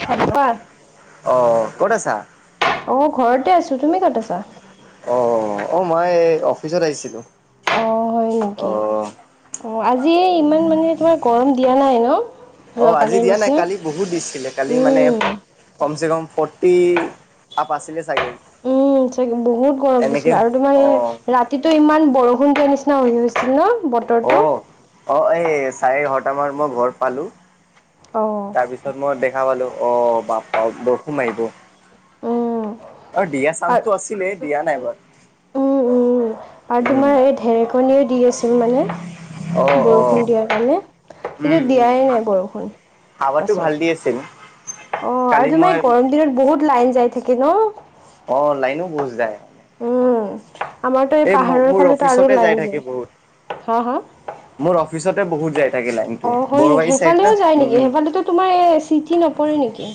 কোৱা অ', ক'ত আছা? অ ঘৰতে আছোঁ তুমি ক'ত আছা? অ অ মই অফিচত আহিছিলোঁ। অ হয় নেকি অ', অ আজি ইমান মানে তোমাৰ গৰম। দিয়া নাই ন। অ আজি যোৱাকালিৰ দিয়া নাই নিচিনা কালি বহুত দিছিলে কালি মানে উম কম চে কম ফ ফৰ্টি আপ আছিলে। চাগে উম চাগে বহুত গৰম এনেকে দিছিলে আৰু তোমাৰ অ', ৰাতিটো ইমান বৰষুণটোৰ নিচিনা হৈ গৈছিলে ন। অ বতৰটো অ এই চাৰেএঘাৰটা মান মই ঘৰ পালোঁ। অ তাৰপিছত মই দেখা পালোঁ অ বাপা বৰষুণমাৰিব। উম অ দিয়া আৰু চান্সটো আছিলে দিয়া নাই বাৰ উম উম আৰু তোমাৰ এই ঢেৰেকণি দি আছিল মানে। অ', অ', বৰষুণ দিয়াৰ কাৰণে কিন্তু দিয়াই নাই বৰষুণ। সাৱাটো পাছত ভাল দি আছিল। অ আৰু কালি তোমাৰ মই গৰম দিনত বহুত লাইন যাই থাকে ন। অ লাইনো ঘুচ যায়। উম আমাৰতো এই ম পাহাৰৰ মোৰ ফালেতো আৰু অফিচতে যাই লাইন থাকে যায়। বহুত হা হা মোৰ অফিচতে বহুত যাই থাক অ হয় নেকি সেইফালেও যায় নেকি সেইফালেতো তোমাৰ এ চিঠি নপৰে নেকি?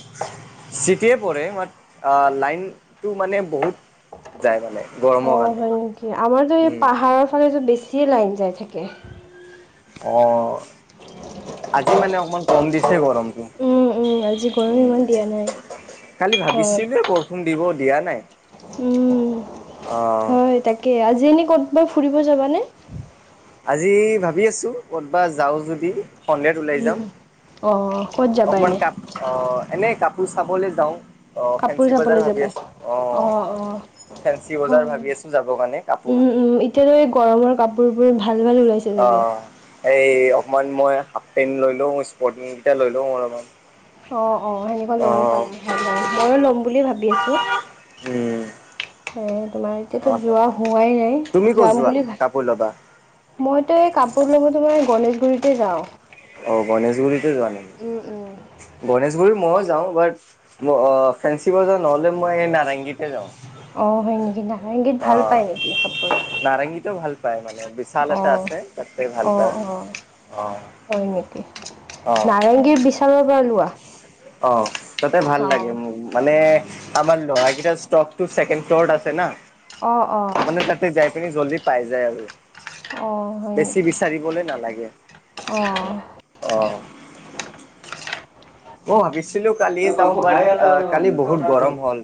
চিটিয়ে পৰে মাত অ লাইনতটো মানে বহুত যায় মানে। অ গৰমৰ কাৰণে হয় নেকি আমাৰতো এই উম। পাহাৰৰ ফালেতো বেছিয়ে লাইন যাই থাকে। অ আজি মানে অকমান কম দিছে গৰমটো। উম উম আজি গৰম ইমান দিয়া নাই। কালি হয় ভাবিছিলোঁ বৰষুণ দিব দিয়া নাই। উম অ' হয় তাকে আজি এনে ক'তবাৰ ফুৰিব যাবানে? আজি ভাবি আছোঁ কৰ'বাত যাওঁ যদি। সন্ধিয়াত ওলাই যাম উম অ ক'ত যাবা অকমান এনে কাপ অ এনে কাপ তোৰ চাবলৈ যাওঁ অ কাপোৰ ফেঞ্চি বজাৰ চাবলৈ ভাবি যাবা? আছোঁ অ। ফেঞ্চি বজাৰ হয় ভাবি আছোঁ যাব কাৰণে কাপোৰ- উম উম এতিয়াতো এই গৰমৰ কাপোৰবোৰ ভাল ভাল ওলাইছে অ চাগে। এই অকমান। মই হাফ পেণ্ট লৈ লও স্পৰ্টি কেইটা লৈ লও অলপ মান অ', অ সেনেকুৱা ল'ব পাৰে ভাল হয় ময়ো লম বুলি ভাবি আছোঁ। উম, এ তোমাৰ এতিয়াতো অ', যোৱা হোৱাই নাই তুমি ক'ত যাম যোৱা বুলি কাপোৰ ল'বা? ভাব মইতো এই কাপোৰ ল'ব তোমাৰ গণেশগুৰিতে যাওঁ। অ গণেশগুৰিতে যোৱা। উম উম। গণেশগুৰিত ময়ো যাওঁ বাট ম ফেঞ্চি বজাৰ নহ'লে মই নাৰেংগীতে যাওঁ। অ হয় নেকি? নাৰেংগীত ভাল পায় নেকি কাপোৰ? নাৰেংগীটো ভাল পায় মানে বিশাল এটা অ'। আছে তাতে ভাল অ', পায়। অ', অ', হয় নেকি অ', নাৰেংগীৰ বিশালৰ পৰা লোৱা। অ তাতে ভাল লাগে অ'। মানে আমাৰ কভাৰ কিটা ষ্টকছেকেড ফ্ল'ৰ আছে না। অ অ সেই খিনি জল্দি পাই যায় আৰু। অ', হয় বেছি নেকি বিচাৰিবলৈ নালাগে অ'। অ। মই ভাবিছিলোঁ কালিয় যাওঁ বাট আহ কালি বহুত গৰম হ'ল।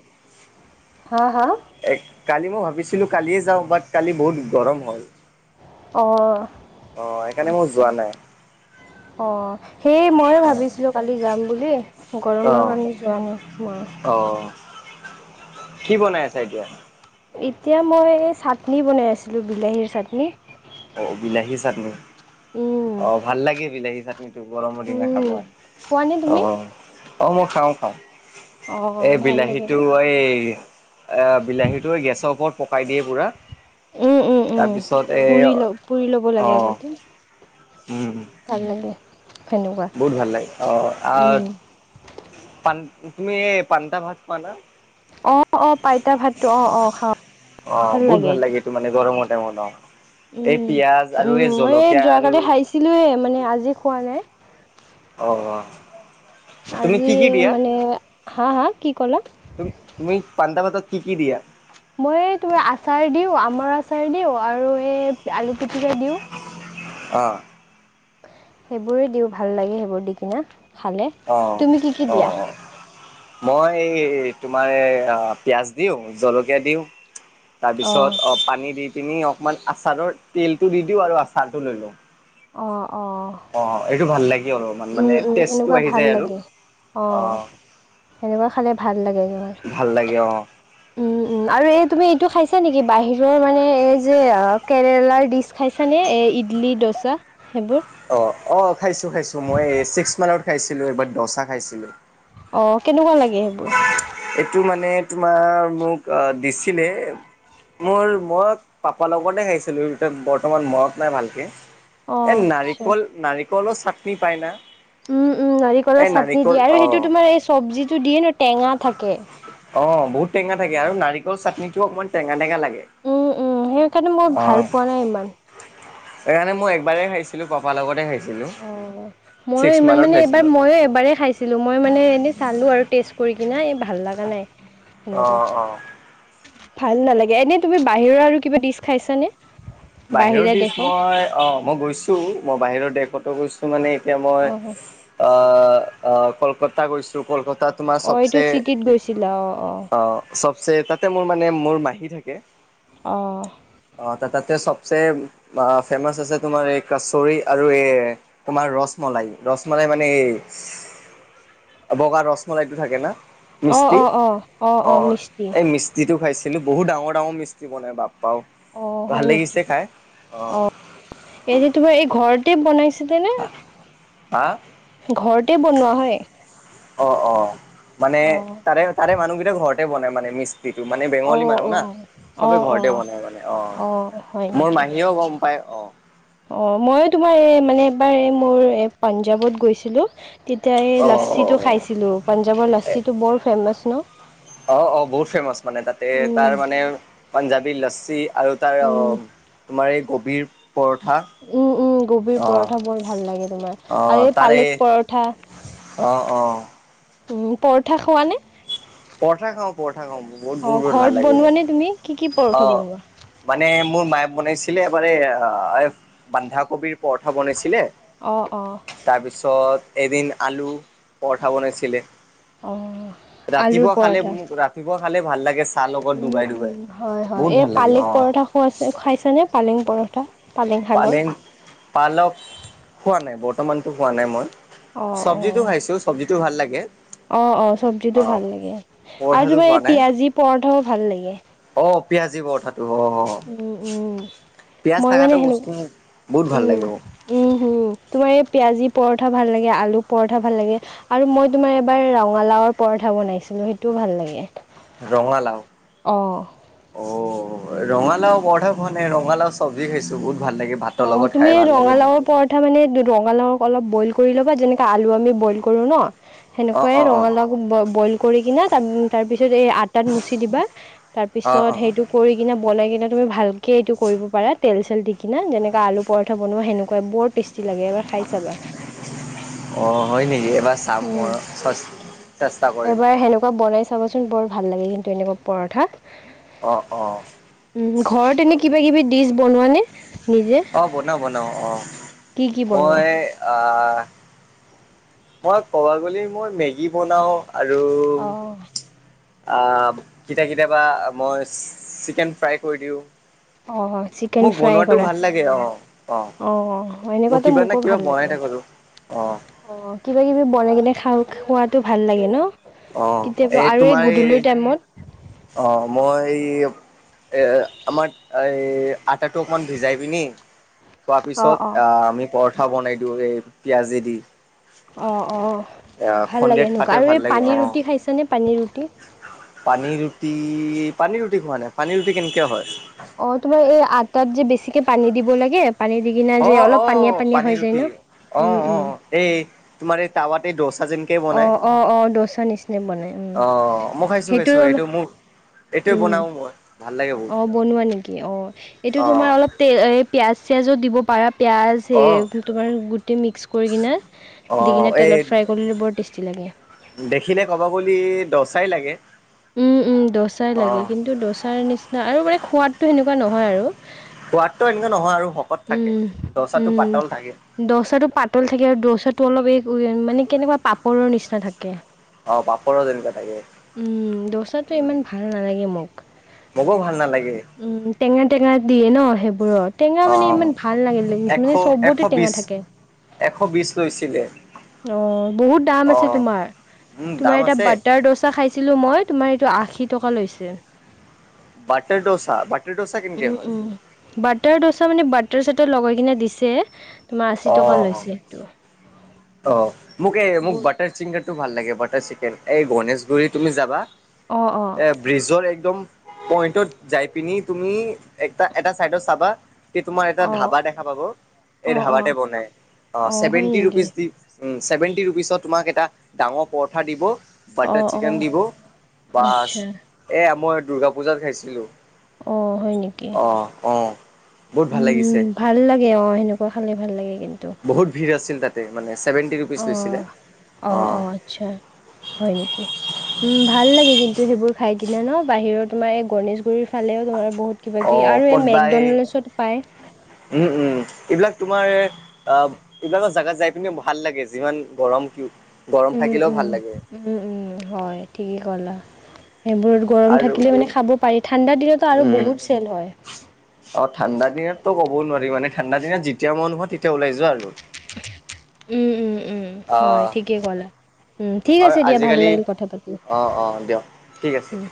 হা, হা এ কালি মই ভাবিছিলোঁ কালিয়ে যাওঁ বাট কালি বহুত গৰম হ'ল। অহ অ', সেইকাৰণে মই আছা। যোৱা নাই অ সেই ময়ে ভাবিছিলোঁ কালি যাম বুলি। অ', গৰমৰ আমি যোৱা নাই। অ', কি বনাই আছা এতিয়া? এতিয়া মই চাটনি বনাই আছিলো বিলাহীৰ চাটনি অ বিলাহী চাটনি উম, অ ভাল লাগে বিলাহী চাটনিটো গৰমৰ দিনা উম, খাব খোৱানে তুমি আহ অ মই খাওঁ খাওঁ অঁ এই ভাল লাগে ন বিলাহীটো এই এ বিলাহীটো গেছৰ ওপৰত পকাই দিয়ে পুৰা উম, উম, উম, তাৰপিছত পুৰি ল এ পুৰি লব লাগে আগতে উম, ভাল লাগে। সেনেকুৱা বহুত ভাল লাগে অ আ পান তুমি পান্তা ভাত খোৱা ন অ অ পাইতা ভাতটো অ অ খাওঁ ভাল লাগে এইটো। ন ন এই উম, পিয়াজ আৰু উম, এই মই জলকীয়া আৰু যোৱাকালি খাইছিলোঁৱেই মানে আজি খোৱা নাই অ তুমি আজি কি কি দিয়া? মানে। হা হা কি কলা? তুমি তুমি পানতা ভাতত কি কি দিয়া। মই তুমি আচাৰ দিওঁ আমৰ আচাৰ দিওঁ আৰু এই আলু পিটিকা দিওঁ। অহ সেইবোৰে দিওঁ ভাল লাগে সেইবোৰ দি কিনা খালে অ তুমি কি কি অ। দিয়া। অ মই এই তোমাৰ পিয়াঁজ দিওঁ জলকীয়া দিওঁ। তাৰ পিছত অ পানী দি পিনি অকমান আচাৰৰ তেলটো দি দিও আৰু আচাৰটো লৈ লও অ এইটো ভাল লাগে। অলপমান উম মানে উম টেষ্টটো সেনেকুৱা আহি ভাল যায় আৰু। লাগে অ সেনেকুৱা খালে ভাল লাগে ভাল লাগে অ উ আৰু এই তুমি এইটো খাইছা নেকি বাহিৰৰ মানে এই যে কেৰেলাৰ ডিচ খাইছানে এই ইডলি দচা সেইবোৰ অ অ খাইছো খাইছো মই চিক্স মানত খাইছিলো এবাৰ দচা খাইছিলো অ কেনেকুৱা লাগে সেইবোৰ এইটো মানে তোমাৰ মোক দিছিলে মোৰ মই পাপা লগতে খাইছিলো বৰ্তমান মনত নাই ভালকে অ' এ আচ্ছা নাৰিকল নাৰিকলো চাটনি পায় না উম উম এই নাৰিকলৰ চাটনি নাৰিকল দিয়ে আৰু সেইটো অ'। তোমাৰ এই চবজিত দিয়ে ন টেঙা থাকে অ', বহুত টেঙা থাকে আৰু নাৰিকল চাটনিটোও অকমান টেঙা টেঙা লাগে উম উম সেইকাৰণে মই অ', ভাল পোৱা নাই ইমান সেইকাৰণে মই একবাৰেই খাইছিলো পাপা লগতে খাইছিলো অ ময়ো ছিক্স ইমান মানত মানে এইবাৰ খাইছিলো। ময়ো এবাৰ খাইছিলো মই মানে এনেই চালো আৰু তেজ কৰি কিনে এই ভাল লগা নাই সেনেকুৱা অহ অহ ভাল নালাগে এনে তুমি বাহিৰৰ আৰু কিবা ডিচ খাইছানে বাহিৰৰ বাহিৰা দেশ দেশৰ মই অ মই গৈছো মই বাহিৰৰ দেশতো গৈছো মানে এতিয়া মই অ', অ অ কলকাতা গৈছো কলকাতা তোমাৰ অ', এইটো চবচে চিটিত গৈছিলা অ', অ'। অ তাতে মোৰ মানে মোৰ মাহী থাকে অহ অ' তাতে চবচে ফেমাচ আছে তোমাৰ এই কচৰি আৰু এ তোমাৰ ৰচমলাই ৰচমলাই মানে ইচ বগা ৰচমলাইটো থাকে না অ', মিস্তি অ', অ', অ মিষ্টি এই মিস্তিটো খাইছে কিন্তু বহুত ডাঙৰ ডাঙৰ মিস্ত্ৰী বনাই বাপ্পাও অ ভাল হয় নেকি লাগিছে খাই অ এই যে তোমাৰ এই ঘৰ বনাইছিলে নে হা ঘৰতে বনোৱা হয় অ, অ মানে অ', তাৰে তাৰে মানুহ কেইটা ঘৰতে বনাই মানে। মিচ টো মানে বেঙলী অ', মানুহ অ', না চবে অ', ঘৰতে অ', বনাই মানে। অ, মোৰ মাহীয়েও গম পায় অ। অ, মইও তোমাৰ এই মানে এবাৰ এই মোৰ এই পাঞ্জাৱত গৈছিলো। তেতিয়া এই অ', অ', লচ্ছিটো অ'। খাইছিলোঁ। পাঞ্জাৱৰ এ লচ্ছিটো বৰ ফেমাচ ন? অ, অ বহুত ফেমাচ মানে তাতে উম তাৰ মানে পাঞ্জাবী লচ্ছি আৰু তাৰ উম তোমাৰ এই গভীৰ উম, উম গভীৰ পৰঠা বৰ ভাল লাগে তোমাৰ অ', আৰু এই তাৰে পালেক পৰঠা। অ, অ। উম, পৰঠা খোৱা নে? পৰাঠা খাওঁ পৰাঠা। বহুত অঁ বহুত বহুত ঘৰত ভাল লাগে। বনোৱা নে তুমি কি কি অ, পৰঠা বনোৱা মানে মোৰ মায়ে বনাইছিলে এবাৰাৰে এ বন্ধাকবিৰ পৰঠা বনাইছিলে। অঁ অঁ তাৰপিছত এদিন আলু পৰঠা বনাইছিলে। অ, ৰাতিপুৱা আলুৰ। খালে পৰঠা মোক ৰাতিপুৱা খালে ভাল লাগে। চাহ লগত উম, ডুবাই উম, ডুবাই। হয়, হয় বহুত এই ভাল লাগে পালেং অ পৰঠা খুৱাইছে খাইছে নে পালেং পৰঠা? পালেং শাকৰ পালে পালক হোৱা নাই বৰ্তমানতো খোৱা নাই মই। অঁ চব্জিতটো অঁ খাইছো চব্জিতটো ভাল লাগে। অ, অ অ চব্জিটো ভাল লাগে। আৰু পৰঠাটো তোমাৰ খোৱা এই নাই পিয়াজি পৰঠাও ভাল লাগে। পিয়াজী পৰাঠা তো অ। উম, উম, পিয়াজ মই মানে থকাটো সেনে বস্তু মোক বহুত ভাল উম, লাগে মোক উম হম তোমাৰ এই পিয়াজি পৰঠা ভাল লাগে। আলু পৰঠা ভাল লাগে। আৰু মই তোমাৰ এবাৰ ৰঙালাওৰ পৰঠা বনাইছিলো সেইটো ভাল লাগে। ৰঙালাও অ'। অ। ৰঙালাও পৰাঠা খোৱা নাই ৰঙালাও চবজি খাইছো। বহুত, ভাল লাগে ভাতৰ অ, লগত তুমি খাই ভাল লাগে মোক ৰঙালাওৰ পৰঠা মানে ৰঙালাওক অলপ বইল কৰি ল'বা যেনেকৈ আলু আমি বইল কৰোঁ ন। অ সেনেকুৱাই অ অ ৰঙালাও বইল কৰি কিনা ত তাৰ পিছত এই আটাত মুচি দিবা। অ অ তাৰপিছত সেইটো কৰি কিনে বনাই কিনে তুমি ভালকে এইটো কৰিব পাৰা তেল চেল দি কিনে যেনেকুৱৈ আলু পৰঠা বনোৱা, সেনেকুৱাই বৰত টেষ্টি লাগে এবাৰ খাই চাবা। অ, হয় নেকি? এইবাৰ চাম মই উম [unintelligible] কৰিম এবাৰ সেনেকুৱা বনাই চাবচোন বৰ ভাল লাগে কিন্তু। সেনেক পৰঠা অ', অ', উম, ঘৰত এনে কিবা কিবি ডিচ বনোৱা নে? নিজে অঁ, বনাওঁ বনাওঁ, অঁ, কি কি বনোৱা মই আ মই ক'ব গ'লি মই মেগী বনাও। আৰু অ অ কিতাকিটা কেতিয়াবা মই চিকেন ফ্ৰাই কৰি দিওঁ। চিকেন মোক ফ্ৰাই বনোৱাটো কৰা ভাল লাগে। অ, অ মোক এনেকুৱাতো কিবা না মোকো কিবা ভাল বনাই বনাই লাগে থাকো তো। অ, কিবা কিবি বনাই কিনে খাওঁ খোৱাতো ভাল লাগে ন? কেতিয়াবা আৰু এই গধূলিৰ টাইমত অ, মই এ আমাৰ এই আটাটো অকণমান ভিজাই পিনি থোৱাৰ অ অ পিছত আমি পৰ ঠ বনাই দিওঁ এই পিয়াজেদি। অ, অ এ ভাল লাগে সন্ধিয়া সেনেকুৱা খাতে আৰু ভাল এই লাগে পানী অ'। ৰুটি খাইছনে পানীৰ ৰুটি। পানী ৰুটি, পানী ৰুটি খোৱা নাই। পানী ৰুটি কেনেকে হয়? অ, তোমাৰ এই আটাত যে বেছিকে পানী দিব লাগে। পানী দি কিনা অ যে অ অলপ পানীয়া পানীয়া পানী হৈ যায় ৰুটি ন, অ উম, অ উম। এই তোমাৰ এই, [unintelligible] যেনকে অ বনাই অ অ দচা নিচিনা বনাই উম অ মই খাইছোঁ সেইটো খাইছোঁ অলপ এইটো মোক এইটোৱে বনাও মই। ভাল লাগে বহুত অ'! বনোৱা নেকি অ'! এইটো অ তোমাৰ অলপতে এই পিয়াঁজ চিয়াজো দিব পাৰা। পিঁয়াজ অ সেই, তোমাৰ গোটেই মিক্স কৰি কিনে অ দি কিনে এই তেলত ফ্ৰাই কৰি বৰ টেষ্টি লাগে। দেখিলে ক'ব বুলি দচাই লাগে উম, উম, দচাই অ লাগে। কিন্তু, দচাৰ নিচিনা আৰু মানে, সোৱাদটো সেনেকুৱা নহয় আৰু। সোৱাদটো এনেকুৱা নহয় আৰু শকত থাকে। দচাটো পাতল থাকে। দচাটো পাতল থাকে আৰু দচাটো অলপ এই মানে, কেনেকুৱা পাপৰৰ নিচিনা থাকে। অ'! পাপৰো যেনেকুৱা থাকে। দ'চাটো উম ইমান ভাল নালাগে মোক। [unintelligible] নালাগে উম, টেঙা, টেঙা, দিয়ে ন'। সেইবোৰৰ টেঙা অ মানে, ইমান ভাল এশ [unintelligible] এশ চবতে বিশ টেঙা থাকে। এশ বিশ লৈছিলে। অ'! বহুত দাম অ আছে তোমাৰ। উম তোমাৰ দাম এটা আছে বাটাৰ দোচা খাইছিলোঁ মই। তোমাৰ এইটো আশী টকা লৈছে। বাটাৰ দোচা বা উম, উম, বাটাৰ দোচা মানে, বাটাৰ চাটৰ লগাই কিনে দিছে। তোমাৰ আশী অ টকা লৈছে সেইটো। অ'! মোক এই মোক বহুত বাটাৰ চিকেনটো ভাল লাগে। এই গণেশগুৰি তুমি যাবা। অঁ অঁ এ ব্ৰিজৰ একদম পইণ্টত যাই পিনি তুমি, এটা এটা চাইডত চাবা। তোমাৰ এটা অঁ ধাবা দেখা পাব। এই অঁ অঁ ধাবাতে বনাই অ'! অঁ হয় ছেভেন্টি নেকি ৰোপিচ। উম, চেভেন্টি ৰোপিচত তোমাক এটা, ডাঙৰ পৰঠা দিব। বাটাৰ অঁ অঁ চিকেন দিব, বাছ আচ্ছা এয়া, মই দূৰ্গা পূজাত খাইছিলোঁ। অ'! হয় নেকি? অ অ বহুত ভাল উম, লাগিছে ভাল লাগে অ'! সেনেকুৱা খালে ভাল লাগে। কিন্তু, বহুত ভিৰ আছিল তাতে। মানে, ছেভেণ্টি ৰোপিচ অঁ লৈছিলে। অঁ অঁ আচ্ছা অ'! হয় নেকি? উম, ভাল লাগে কিন্তু, সেইবোৰ খায় কিনে ন'। বাহিৰৰ তোমাৰ এই, গণেশগুৰিৰ ফালেও ধৰা বহুত কিবা কিবি অ', আৰু এই কতবাই মেকডনাল্ডছত পায়। উম, উম, এইবিলাক তোমাৰ, অ'! এইবিলাকৰ জাগাত যাই পিনে ভাল লাগে। যিমান গৰম কি গৰম উম, থাকিলেও উম, ভাল লাগে। উম, উম, হয় ঠিকেই ক'লা। সেইবোৰত গৰম আৰু থাকিলে মানে, খাব পাৰি। ঠাণ্ডাৰ দিনতটো আৰু উম, বহুত চেল হয়। অ'! ঠাণ্ডা দিনতো ক'ব নোৱাৰি। মানে, ঠাণ্ডা দিনত যেতিয়া মন তেতিয়া ওলাই যোৱা আৰু। উম, উম, উম, হয় অ' ঠিকেই ক'লা। উম, ঠিক আৰু আছে দিয়া, ভাল আজিকালি লাগিল কথা পাতি। অ', অ' দিয়ক ঠিক আছে। উম!